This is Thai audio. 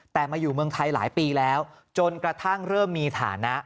แต่มาอยู่เมืองไทยหลายปีแล้วจนกระทั่งเริ่มมีฐานะ